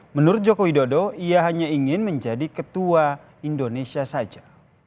menurut joko widodo ia hanya ingin menjadi ketua indonesia saja